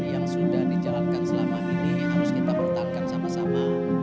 yang sudah dijalankan selama ini harus kita pertahankan sama sama